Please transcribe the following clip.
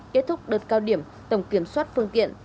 kết thúc đợt cao điểm tổng kiểm soát phương tiện